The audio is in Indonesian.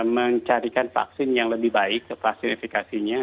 mencarikan vaksin yang lebih baik vaksin efekasinya